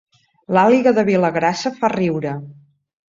L'àliga de Vilagrassa fa riure